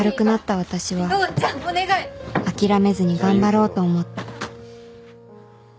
私は諦めずに頑張ろうと思った